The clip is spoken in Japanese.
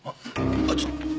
あっちょっと。